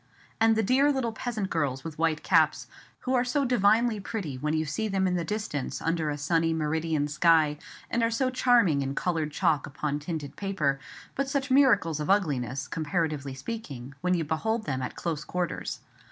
And the dear little peasant girls with white caps, who are so divinely pretty when you see them in the distance under a sunny meridian sky, and are so charming in coloured chalk upon tinted paper, but such miracles of ugliness, comparatively speaking, when you behold them at close quarters.